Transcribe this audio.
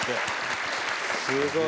すごい。